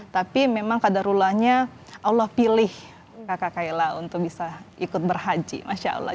tapi memang kadarullahnya allah pilih kakak kayla untuk bisa ikut berhaji masya allah